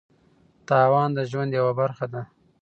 تاوان د ژوند یوه برخه ده.